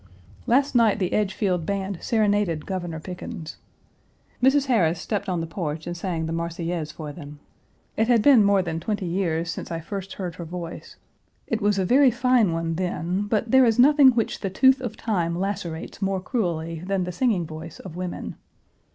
Last night the Edgefield Band serenaded Governor Pickens. Mrs. Harris stepped on the porch and sang the Marseillaise for them. It has been more than twenty years since I first heard her voice; it was a very fine one then, but there is nothing which the tooth of time lacerates more cruelly than the singing voice of women.